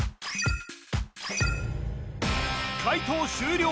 解答終了